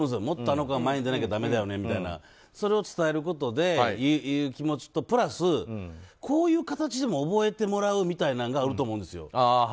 もっとあの子は前に出なきゃだめだよねとかそれを伝えるという気持ちとプラス、こういう形でも覚えてもらうみたいなのがあると思うんですよ。